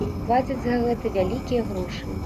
Плацяць за гэта вялікія грошы.